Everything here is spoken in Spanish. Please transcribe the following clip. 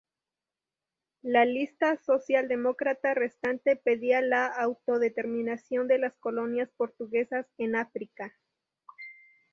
La lista socialdemócrata restante pedía la autodeterminación de las colonias portuguesas en África.